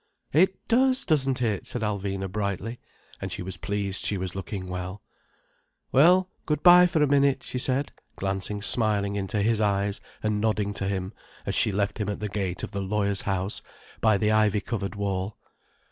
"It does, doesn't it," said Alvina brightly. And she was pleased she was looking well. "Well, good bye for a minute," she said, glancing smiling into his eyes and nodding to him, as she left him at the gate of the lawyer's house, by the ivy covered wall.